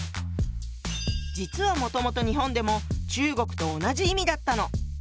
実はもともと日本でも中国と同じ意味だったの。